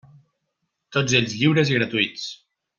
Tots ells lliures i gratuïts.